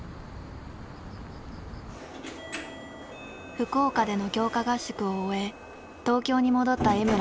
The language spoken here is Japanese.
福岡での強化合宿を終え東京に戻った江村。